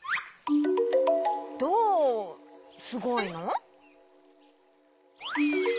どうすごいの？